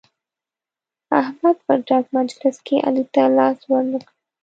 احمد په ډک مجلس کې علي ته لاس ور نه کړ.